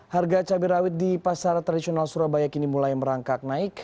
harga cabai rawit di pasar tradisional surabaya kini mulai merangkak naik